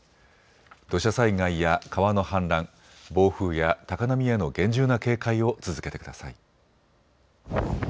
土砂災害や川の氾濫、暴風や高波への厳重な警戒を続けてください。